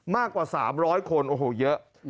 มากกว่า๓๐๐คนโอ้โหเยอะ